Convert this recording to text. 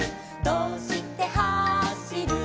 「どうしてはしる」